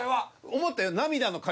思ったよ。